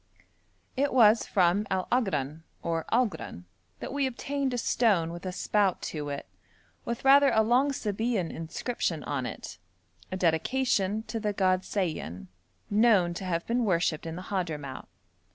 It was from Al Agran or Algran that we obtained a stone with a spout to it, with rather a long Sabæan inscription on it, a dedication to the god Sayan, known to have been worshipped in the Hadhramout.